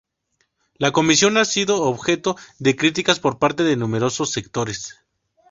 La Comisión ha sido objeto de críticas por parte de numerosos sectores.